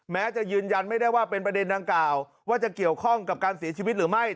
แม้จะยืนยันไม่ได้ว่าเป็นประเด็นดังกล่าวว่าจะเกี่ยวข้องกับการเสียชีวิตหรือไม่